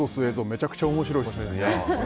めちゃくちゃ面白いですね。